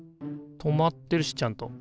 留まってるしちゃんと。